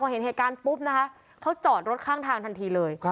เห็นเหตุการณ์ปุ๊บนะคะเขาจอดรถข้างทางทันทีเลย